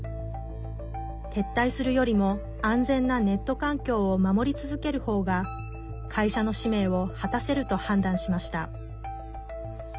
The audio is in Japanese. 撤退するよりも、安全なネット環境を守り続けるほうが会社の使命を果たせると判断しました。